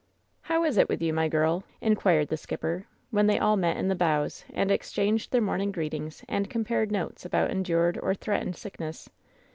''How is it with you, my girl V^ inquired the skipper, when they all met in the bows and exchanged their morn ing greetings and compared notes about endured or threatened sickness.